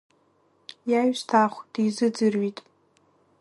Иаҩсҭаахә дизыӡырҩит.